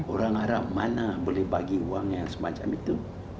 orang haram mana yang bisa memberikan uang semacam itu